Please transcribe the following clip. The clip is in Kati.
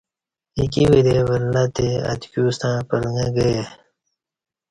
ایکی ورے ولہّ تے اتکیوستݩع پلݩگہ گئے